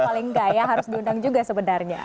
paling nggak ya harus diundang juga sebenarnya